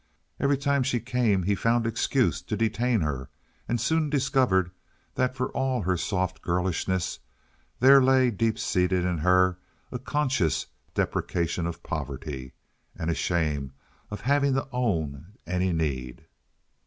Every time she came he found excuse to detain her, and soon discovered that, for all her soft girlishness, there lay deep seated in her a conscious deprecation of poverty and a shame of having to own any need.